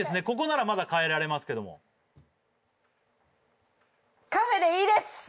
ここならまだ変えられますけども「Ｃａｆｅ」でいいです！